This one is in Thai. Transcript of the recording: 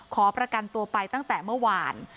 ขอประกันตัวไปตั้งแต่เมื่อวาน